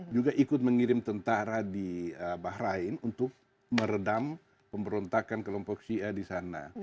juga ikut mengirim tentara di bahrain untuk meredam pemberontakan kelompok syia di sana